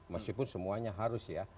meskipun semuanya harus ya